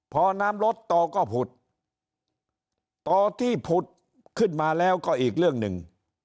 พอน้ำลดต่อก็ผุดต่อที่ผุดขึ้นมาแล้วก็อีกเรื่องหนึ่ง